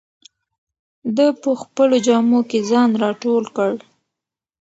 ده په خپلو جامو کې ځان راټول کړ.